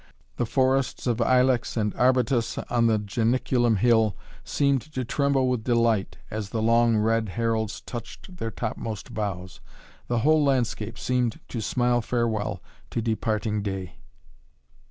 The forests of ilex and arbutus on the Janiculum Hill seemed to tremble with delight as the long red heralds touched their topmost boughs. The whole landscape seemed to smile farewell to departing day.